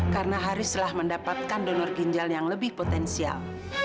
karena haris telah mendapatkan donor ginjal yang lebih potensial